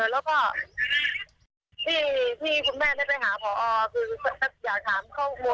แล้วก็ที่คุณแม่ได้ไปหาผอ